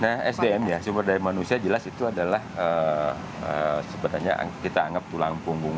nah sdm ya sumber daya manusia jelas itu adalah sebenarnya kita anggap tulang punggung